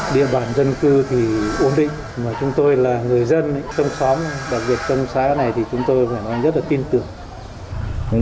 địa bàn dân cư thì ổn định mà chúng tôi là người dân trong xóm đặc biệt trong xã này thì chúng tôi phải nói rất là tin tưởng